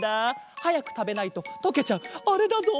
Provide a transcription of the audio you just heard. はやくたべないととけちゃうあれだぞ！